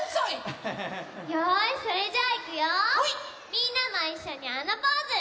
みんなもいっしょにあのポーズ！